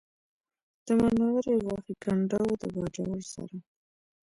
د منورې غاښی کنډو د باجوړ سره